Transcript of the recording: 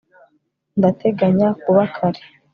ndateganya kuba kare